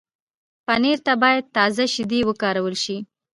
پنېر ته باید تازه شیدې وکارول شي.